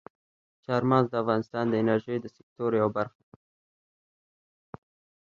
چار مغز د افغانستان د انرژۍ د سکتور یوه برخه ده.